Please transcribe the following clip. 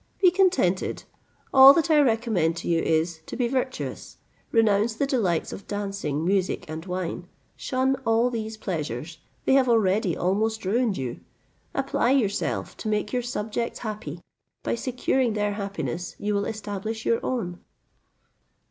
Be contented; all that I recommend to you is, to be virtuous; renounce the delights of dancing, music, and wine: shun all these pleasures, they have already almost ruined you; apply yourself to make your subjects happy; by securing their happiness, you will establish your own."